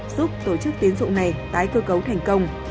giúp tổ chức tiến dụng này tái cấu